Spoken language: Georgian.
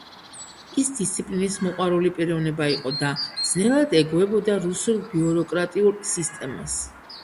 ის დისციპლინის მოყვარული პიროვნება იყო და ძნელად ეგუებოდა რუსულ ბიუროკრატიულ სისტემას.